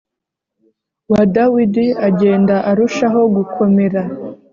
wa Dawidi agenda arusha ho gukomera